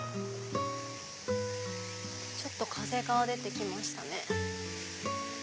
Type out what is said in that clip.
ちょっと風が出てきましたね。